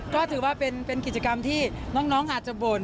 ก็ถือว่าเป็นกิจกรรมที่น้องอาจจะบ่น